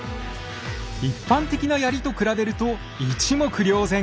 一般的な槍と比べると一目瞭然！